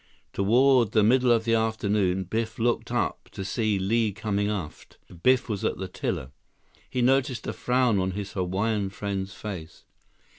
Toward the middle of the afternoon, Biff looked up to see Li coming aft. Biff was at the tiller. He noticed a frown on his Hawaiian friend's face.